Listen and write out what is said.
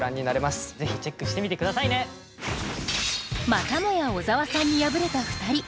またもや小沢さんに敗れた２人。